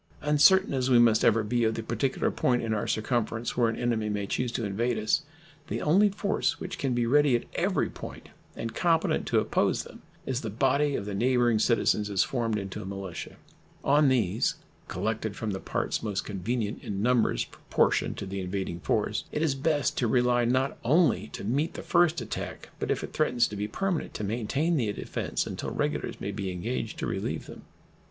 Uncertain as we must ever be of the particular point in our circumference where an enemy may choose to invade us, the only force which can be ready at every point and competent to oppose them is the body of the neighboring citizens as formed into a militia. On these, collected from the parts most convenient in numbers proportioned to the invading force, it is best to rely not only to meet the first attack, but if it threatens to be permanent to maintain the defense until regulars may be engaged to relieve them.